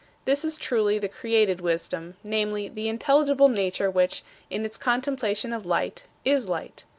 This is truly the created Wisdom, namely, the intelligible nature which, in its contemplation of light, is light.